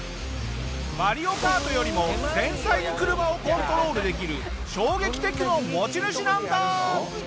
『マリオカート』よりも繊細に車をコントロールできる衝撃テクの持ち主なんだ！